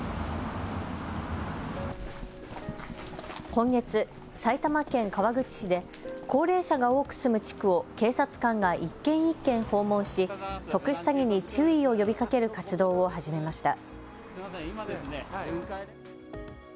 今月、埼玉県川口市で高齢者が多く住む地区を警察官が１軒１軒、訪問し特殊詐欺に注意を呼びかける活動を始めました。